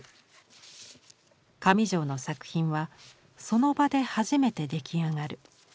上條の作品はその場で初めて出来上がる。